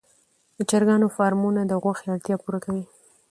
د چرګانو فارمونه د غوښې اړتیا پوره کوي.